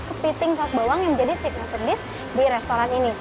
kepiting saus bawang yang menjadi secret dish di restoran ini